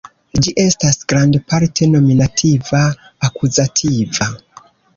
Ĝi estas grandparte nominativa-akuzativa.